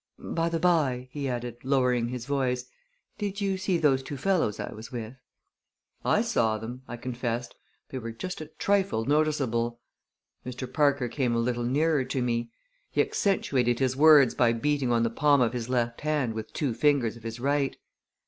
By the by," he added, lowering his voice, "did you see those two fellows I was with?" "I saw them!" I confessed. "They were just a trifle noticeable." Mr. Parker came a little nearer to me. He accentuated his words by beating on the palm of his left hand with two fingers of his right.